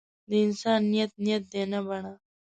د انسان نیت نیت دی نه بڼه.